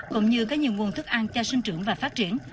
cũng như có nhiều nguồn thức ăn cho sinh trưởng và phát triển